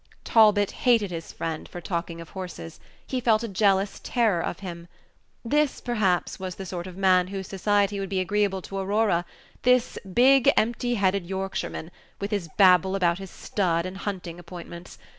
Talbot hated his friend for talking of horses; he felt a jealous terror of him. This, perhaps, was the sort of man whose society would be agreeable to Aurora this big, empty headed Yorkshireman, with his babble about his stud and hunting appointments.